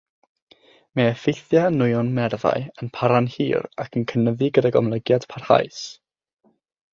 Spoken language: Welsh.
Mae effeithiau nwyon nerfau yn para'n hir ac yn cynyddu gydag amlygiad parhaus.